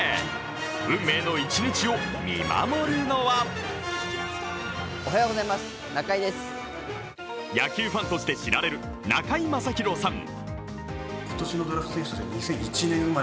運命の一日を見守るのは野球ファンとして知られる中居正広さん。